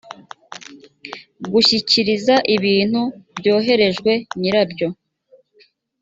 gushyikiriza ibintu byoherejwe nyirabyo